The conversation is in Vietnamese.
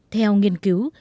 theo nghiên cứu